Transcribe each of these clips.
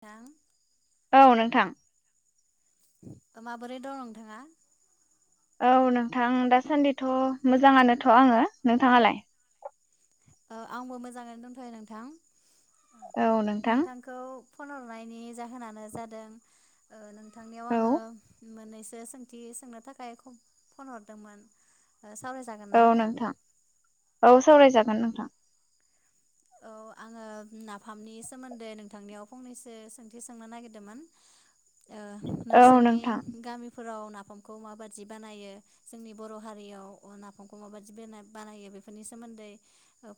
दां। औ नोंथां। माबोरै दं नोंथाङा। औ नोंथां दासान्दिथ मोजाङानोथ आङो नोंथाङालाय। औ आंबो मोजाङैनो दंथयो नोंथां। औ नोंथां नोंथांखौ। फन हरनायनि जाहोनानो जादों ओ नों थांनायाव औ आङो मोन्नै सोंथि सोंनो थाखाय खौ फन हरदोंमोन। ओ सावरायजागोन ना औ नोंथां, औ सावरायजागोन ओं। [unintelligible] औ आङो नाफामनि सोमोन्दै नोंथांनियाव फंनैसो सोंथि सोंनो नागिरदोमोन। ओ औ नोंसोरनि नोंथां गामिफो फोराव नाफामखौ माबादि बानायो जोंनि बर' हारियाव नाफामखौ माबादि बना बानायो बेफोरनि सोमोन्दै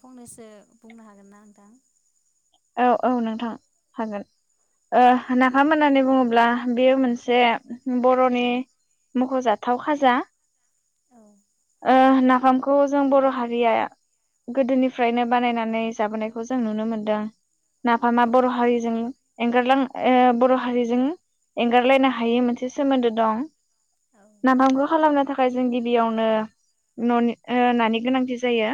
फंनैसो बुंनो हागोन ना नोंथां? औ, औ नोंथां हागोन। ओ नाफाम होननानै बुङोब्ला। बेयो मोनसे बर'नि मख'जाथाव खाजा। औ ओ नाफामखौ जों बर‌' हारिया गोदोनिफ्रायनो बानायनानै जाबोनायखौ जों नुनो मोनदों। औ नाफामा बर' हारिजों एंगारलां ओ बर‌' हारिजों एंगारलायनो हायै मोनसे सोमोन्दो दं। हागोन नाफामखौ खालामनो थाख खाय जों गिबियावनो ननि ओ नानि गोनांथि जायो।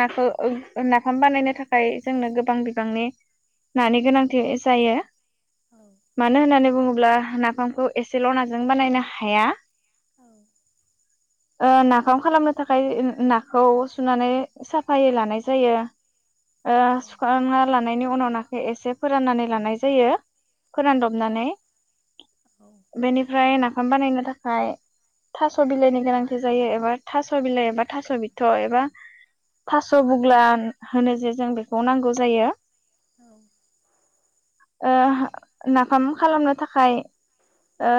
नाखो ओं नाफाम बानायनो थाख खाय जोंनो गोबां बिबांनि नानि गोनांथि जायो, मानो होननानै बुङोब्ला नाफामखौ एसेल नाजों बानायनो हाया। औ ओ नाफाम खालामनो थाखाय [unintelligible] नाखौ सुनानै साफायै लानाय जायो। ओ सुखांना लानाय बेनि उनाव नाखो एसे फोराननानै लानाय जायो। फोरानदबनानै, बेनिफ्राय नाफाम बानायनो थाखाय थास बिलाइनि गोनांथि जायो एबा थास बिलाइ एबा थास बिथ' एबा थास बुग्लान होनो जे जों बेखौ नांगौ जायो। औ ओ हो, नाफाम खालामनो थाखाय ओ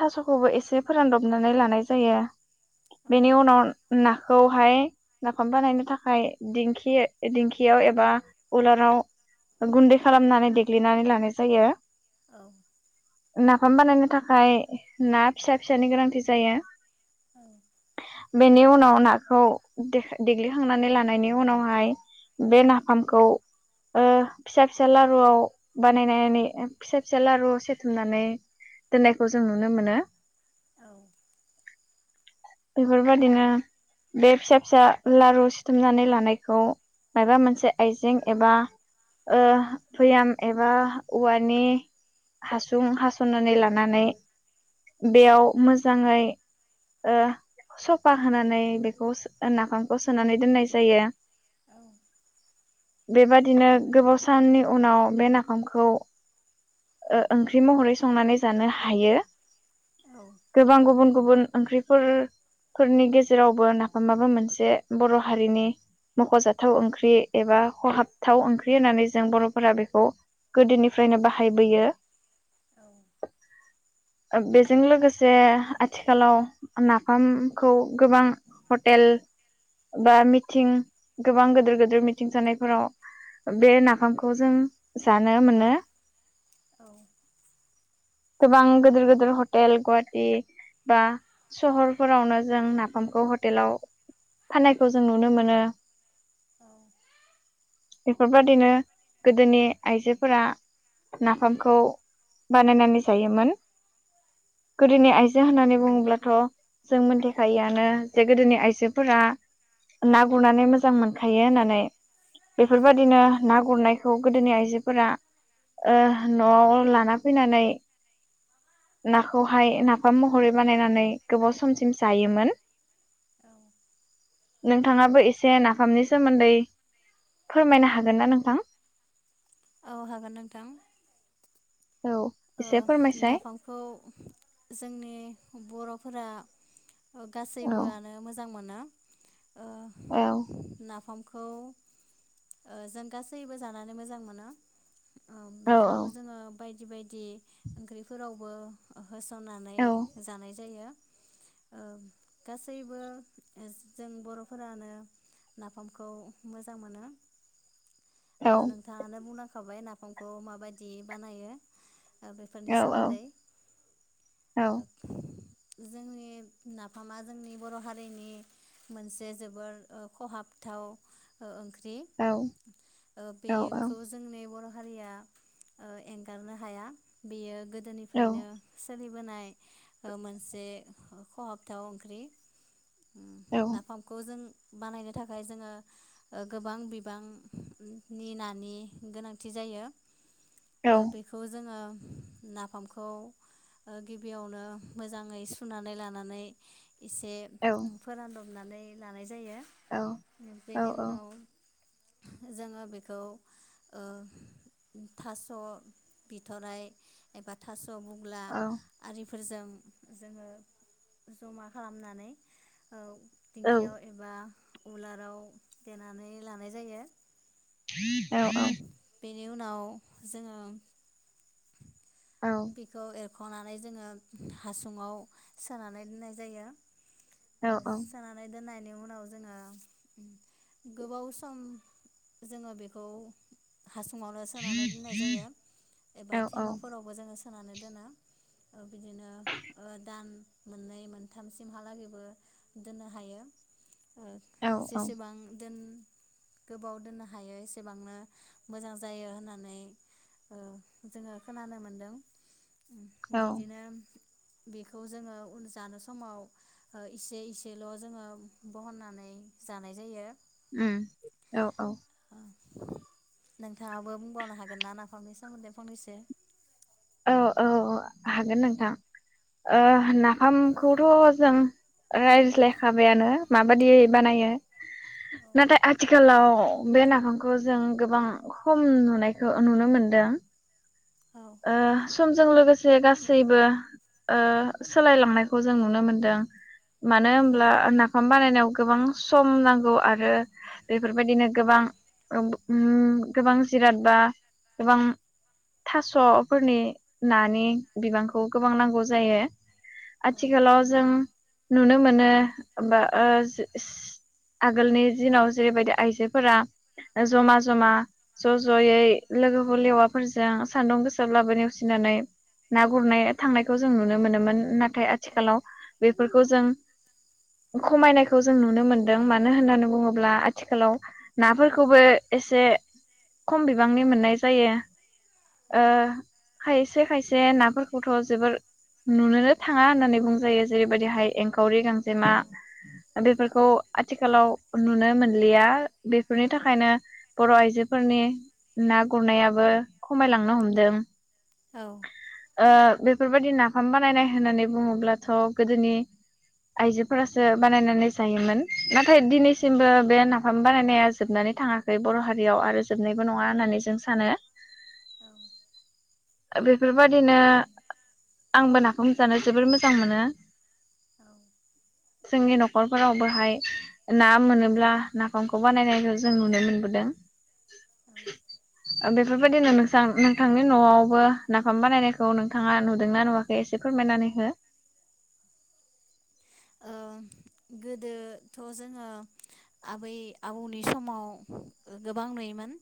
थासखौबो एसे फोरानदबनानै लानाय जायो। बेनि उनाव नाखौहाय नाफाम बानायनो थाखाय दिंखि दिंखि खियाव एबा उलाराव गुन्दै खालामनानै देग्लिनानै लानाय जायो। औ नाफाम बानायनो थाखाय ना फिसा फिसानि गोनांथि जायो। ओं बेनि उनाव नाखौ दे देग्लिखांनानै लानायनि उनावहाय बे नाफामखौ ओ फिसा फिसा लारुआव बानायनानै फिसा फिसा लारुआव सेथुमनानै दोननायखौ जों नुनो मोनो। बेफोरबायाददिनो बे फिसा फिसा लारु सिथुमनानै लानायखौ मायबा मोनसे आइजें एबा ओ भैयाम एबा औवानि हासुं हासनानै लानानै बेयाव मोजाङै ओ सफा होनानै बेखौ सो नाफामखौ सोनानै दोननाय जायो। बेबादिनो गोबाव साननि उनाव बे नाफामखौ ओ ओंख्रि महरै संनानै जानो हायो। गोबां गुबुन गुबुन ओंख्रिफोर फोरनि गेजेरावबो नाफामाबो मोनसे बर' हारिनि मख'जाथाव ओंख्रि एबा खहाबथाव ओंख्रि होननानै जों बरफोरा बेखौ गोदोनिफ्रायनो बाहाय बाहाय बोयो। ओ बेजों लोगोसे आथिखालाव नाफामखौ गोबां हटेल बा मिथिं गोबां गोदिर गोदिर मिथिं जानायफोराव बे नाफामखौ जों जानो मोनो। औ गोबां गोदिर गोदिर हटेल गुवाहाटि बा सहरफोरावनो जों नाफामखौ हटेलाव फाननायखौ जों नुनो मोनो। बेफोरबायदिनो गोदोनि आइजोफोरा नाफामखौ बानायनानै जायोमोन गोदोनि आइजो होननानै बुङोब्लाथ जों मोनथिखायोआनो जे गोदोनि आइजोफोरा ना गुरनानै मोजां मोनखायो होननानै बेफोरबादिनो ना गुरनायखौ गोदोनि आइजोफोरा ओ नआव लाना फैनानै नाखौहाय नाफाम महरै बानायनानै गोबाव समसिम जायोमोन। नोंथाङाबो एसे नाफामनि सोमोन्दै फोरमायनो हागोन ना नोंथां? औ हागोन नोंथां। औ ओ एसे फोरमायसाय नाफामखौ जोंनि बर फोर ओ औ गासैबोआनो मोजां मोनो ओ औ नाफामखौ खौ ओ जों गासैबो जानानै मोजां मोनो। ओ औ बेखौ जोङो बायदि बायदि बिदि ओंख्रिफोरावबो होसननानै औ जानाय जायो। ओ गासैबो जों बरफोरानो नाफामखौ मोजां मोनो। ओ औ नोंथाङानो बुंलां खाबाय नाफामखौ माबायदि बानायो। औ बेफोरनि सोमोन्दै औ जोंनि नाफामा जोंनि बर हारिनि मोनसे जोबोर ओ खहाबथाव ओ ओं ख्रि औ ओ औ बेखौ जोंनि बर हारिया ओ एंगारनो हाया बेयो गो औ दोनिफ्रायनो सोलि बोनाय मोनसे खहाबथाव ओंख्रि। उम औ नाफामखौ जों बानायनो थाखाय जोङो ओ गोबां बिबां नि नानि गोनांथि जायो। औ ओ बेखौ जोङो नाफामखौ ओ गिबियावनो मोजाङै सुनानै लानानै इसे औ फोरानदब नानै लानाय जायो औ औ बेनि उनाव जोङो बेखौ ओ थास बिथराय एबा थास बुग्ला आरि फोरजों जोङो जमा खालामनानै ओ टिंकियाव एबा उलाराव देनानै लानाय जायो। औ औ बेनि उनाव जोङो बेखौ एर एरख'नानै जोङो हासुङाव सोनानै दोननाय जायो। सोनानै दोननाय बेनि उनाव जोङो गोबाव सम जोङो बेखौ हासुङावनो सोनानै दोननाय जायो। बा थेमाफोरावबो जों सोनानै दोनो बिदिनो ओ दान मोननै मोनथामसिमहालागैबो दोननो हायो। ओ जेसेबां दोन गोबाव दोननो हायो एसेबांनो मोजां जायो होननानै ओ जोङो खोनानो मोनदों। बिदिनो बेखौ जोङो उन जानो समाव इसे इसेल' जोङो बहननानै जानाय जायो। उम औ औ नोंथाङाबो बुंबावनो हागोन ना नाफामनि सोमोन्दै? फंनैसो औ औ हागोन नोंथां नाफामखौथ' जों रायज्लायखाबायानो माबादि बानायो औ नाथाय आथिखालाव बे नाफामखौ जों गोबां खम नुनायखौ नुनो मोनदों। औ समजों लोगोसे गासैबो ओ सोलायलांनायखौ जों नुनो मोनदों मानो होनोमब्ला नाफाम बानायनायाव गोबां सम नांगौ आरो बेफोरबायदिनो गोबां गोबां जिराद बा गोबां थास स'फोरनि नानि बिबांखौ गोबां नांगौ जायो। आथिखालाव जों नुनो मोनो आगोलनि दिनाव जेरैबायदि आइजोफोरा जमा जमा ज ज'यै लोगो हलेवाफोरजों सान्दुं गोसाब्लाबो नेवसिनानै ना गुरनाय थांनायखौ जों नुनो मोनोमोन ना थाय आथिखालाव बे फोरखौ जों खमायनायखौ जों नुनो मोन्दों मानो होननानै बुङोब्ला आथिखालाव नाफोरखौबो एसे खम बिबांनि मोननाय जायो। ओ खायसे खायसे नाफोरखौथ' जोबोर नुनोनो थाङा होननानै बुंजायो जेरैबायदिहाय एंखावरि गां जेमा बेफोरखौ आथिखालाव नुनो मोनलिया बेफोरनि थाखायनो बर' आइजोफोरनि ना गुरनायाबो खमायलां नो हमदों। औ बेफोरबायदि नाफाम बानायनाय होननानै बुङोब्लाथ' गोदोनि आइजोफोरासो बानायनानै जायोमोन नाथाय दिनैसिमबो बे नाफाम बानायनाया जोबनानै थाङाखै बर' हारियाव आरो जोबनायबो नङा होननानै जों सानो। बेफोरबायदिनो आंबो नाफामखौ जानो जोबोर मोजां मोनो। जोंनि नखरफोरावबोहाय ना मोनोब्ला नाफामखौ बानायनायखौ जों नुनो मोनबोदों। बेफोरबायदिनो नों नोंथांनि न'आवबो नाफाम बानायनायखौ नोंथाङा नुदोंना नुवाखै एसे फोरमायनानै हो। गोदोथ' जोङो आबै आबौनि समाव गोबां नुयोमोन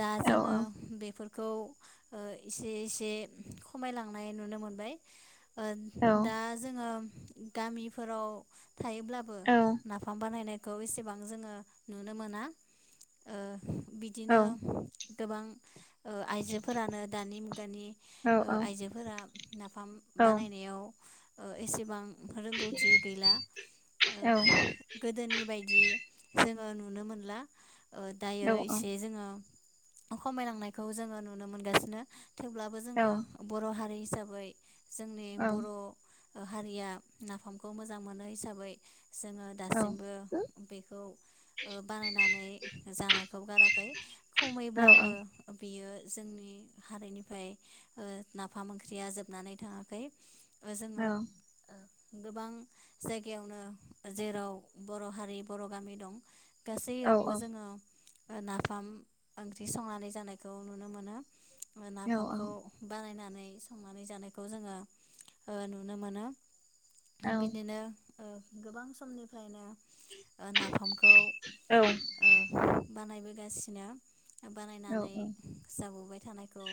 दा औ जोङो बेफोरखौ एसे एसे खमायलांनाय नुनो मोनबाय। औ दा जोङो गामिफोराव थायोब्लाबो औ नाफाम बानायनाय खौ एसेबां जोङो नुनो मोना ओ औ बिदिनो गोबां ओ आइजोफोरानो दानि मुगानि औ आइजोफोरा नाफाम औ बानायनायाव ओ एसेबां रोंगौथि गैला ओ गोदोनि बायद बायदि जोङो नुनो मोनला ओ दायो औ एसे जोङो खमायलांनायखौ जोङो नुनो मोनगासिनो थेवब्लाबो औ जोङो बर' हारि हि हिसाबै जोंनि बर' हारिया नाफामखौ मोजां मोनो हिसाबै जोङो औ दासिमबो बेखौ ओ बानायनानै जानाय खौ गाराखै औ औ खमैब्लाबो बियो जोंनि हारिनिफ्राय नाफाम ओंख्रिया जोबनानै थाङाखै ओ औ जोङो गोबां जायगायावनो जेराव बर' हारि बर' गामि दं औ औ गासैयावबो जोङो ओ नाफाम ओंख्रि संनानै जानायखौ नुनो मोनो औ नाफामखौ बानायनानै संनानै जानायखौ जोङो ओ नुनो मोनो औ बिदिनो ओ गोबां समनिफ्रायनो ओ नाफामखौ औ ओ बानायबोगासिनो बानायनानै जाबोबाय थानायखौ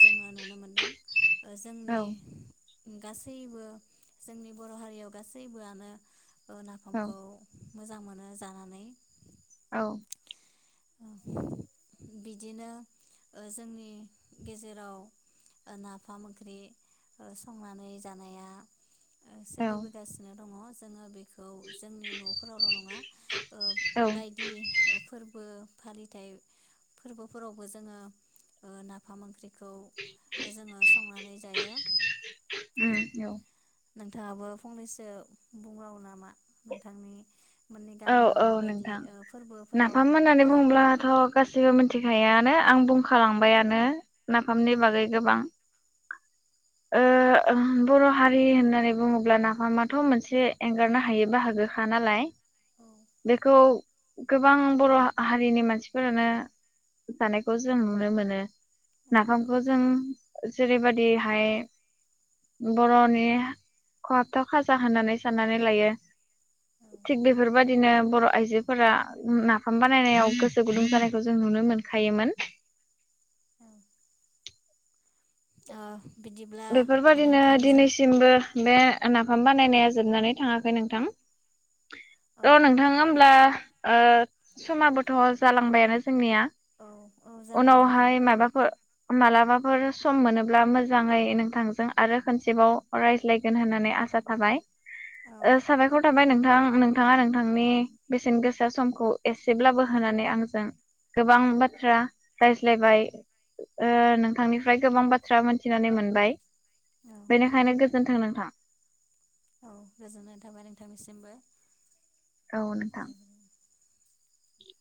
जोङो नुनो मोनदों ओ औ जोंनि औ गासैबो जोंनि बर' हारियाव गासैबोआनो ओ उम औ नाफामखौ, मोजां मोनो जानानै, औ बिदिनो ओ जोंनि गेजेराव नाफाम ओंख्रि संनानै जानाया, सोलिबोगासिनो दङ जोंङो बेख खौ जोंनि नफोरावल' नङा ओ बायदि फोरबो फालिथाय फोरबोफोरावबो जोङो ओ नाफाम ओंख्रि, खौ जोङो संनानै जायो। नोंथाङाबो फंनैसो बुंबाङो नामा? नोंथांनि मोननि औ गामियाव औ माबायदि नोंथां फोरबोफोराव नाफाम होननानै बुंङोब्लाथ' गासिबो मोन मिथिखायोआनो आं बुंखालांबायानो नाफामनि बागै गोबां ओ बर' हारि होननानै बुङोब्ला नाफामाथ' मोनसे एंगारनो हायै बाहागोखा नालाय, बेखौ गोबां बर' हारिनि मानसिफोरानो जानायखौ जों नुनो मोनो नाफामखौ जों, जेरैबायदिहाय बर'नि खहाबथाव खाजा होननानै साननानै लायो थिग बे बेफोरबायदिनो बर' आइजोफोरा नाफाम बानायनायाव गोसो गुदुं जानायखौ जों नुनो मोनखायोमोन, औ बेफोरबादिनो दिनैसिमबो बे नाफाम बानायनाया जोबनानै थाङाखै नोंथां, औ ओ नोंथाङा होमब्ला ओ समाबोथ' जालांबायानो जोंनिया, औ औ जाबाय नोंथां उनावहाय मायबाफोर, मालाबाफोर सम मोनोब्ला मोजाङै नोंथांजों आरो खनसेबाव रायज्लायगोन होननानै आसा थाबाय, औ ओ साबायखर थाबाय नों नोंथां नोंथाङा नोंथांनि बेसेन गोसा समखौ एसेब्लाबो होनानै आंजों गोबां बाथ्रा, रायज्लायबाय ओ नोंथांनिफ्राय गोबां बाथ्रा मोनथिनानै मोनबाय, औ बेनिखायनो गोजोन्थों नोंथां, औ गोजोननाय थाबाय नोंथांनिसिमबो, औ नोंथां, दे। ए [inaudible]